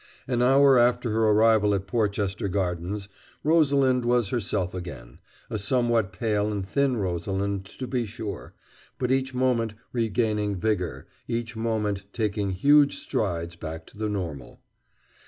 An hour after her arrival at Porchester Gardens, Rosalind was herself again, a somewhat pale and thin Rosalind, to be sure, but each moment regaining vigor, each moment taking huge strides back to the normal.